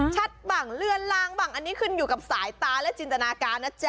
บังเลื่อนลางบ้างอันนี้ขึ้นอยู่กับสายตาและจินตนาการนะจ๊